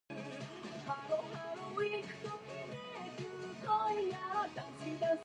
There was also a stage coach stop, and then later on a bus depot.